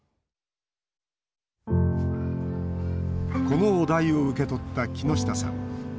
このお題を受け取った木下さん。